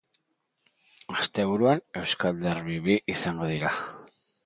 Asteburuan euskal derbi bi izango dira.